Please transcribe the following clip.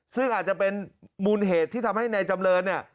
ซึ่งอาจจะเป็นมูลเหตุที่ทำให้นายจำเรินเนี่ย